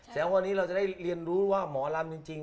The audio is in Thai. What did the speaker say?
แต่วันนี้เราจะได้เรียนรู้ว่าหมอลำจริง